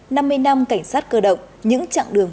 năm mươi năm cảnh sát cơ động những chặng đường